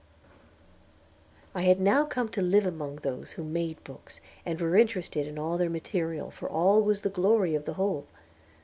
I had now come to live among those who made books, and were interested in all their material, for all was for the glory of the whole.